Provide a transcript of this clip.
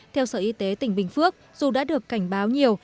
theo sở y tế tỉnh bình phước dù đã được cảnh báo nhiều